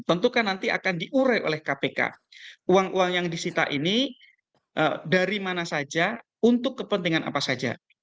tentukan nanti akan diurai oleh kpk uang uang yang disita ini dari mana saja untuk kepentingan apa saja